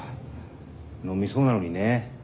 飲みそうなのにね。